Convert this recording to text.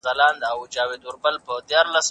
شريعت څنګه د مرييانو سيستم له منځه يووړ؟